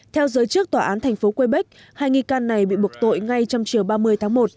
theo giới chức tòa án thành phố quebec hai nghi can này bị buộc tội ngay trong chiều ba mươi tháng một